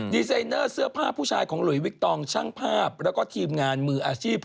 ดีไซเนอร์เสื้อผ้าผู้ชายของหลุยวิกตองช่างภาพแล้วก็ทีมงานมืออาชีพ